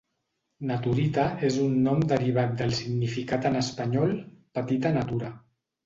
Naturita és un nom derivat del significat en espanyol "petita natura".